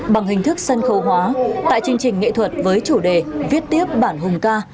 bằng hình thức sân khấu hóa tại chương trình nghệ thuật với chủ đề viết tiếp bản hùng ca